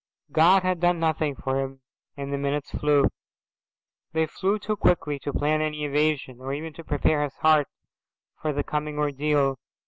God had done nothing for him, and the minutes flew. They flew too quickly to plan any evasion, or even to prepare his heart for the coming ordeal.